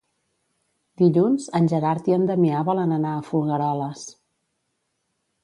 Dilluns en Gerard i en Damià volen anar a Folgueroles.